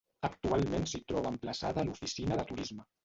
Actualment s'hi troba emplaçada l'Oficina de Turisme.